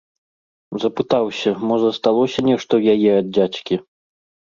Запытаўся, мо засталося нешта ў яе ад дзядзькі.